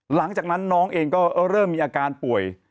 หลังจากนั้นน้องเองก็เริ่มมีอาการป่วย